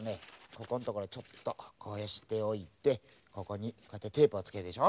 ここんところをちょっとこうしておいてここにこうやってテープをつけるでしょ。